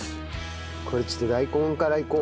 これちょっと大根からいこう。